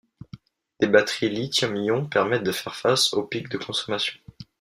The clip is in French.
Des batteries lithium-ion permettent de faire face aux pics de consommation.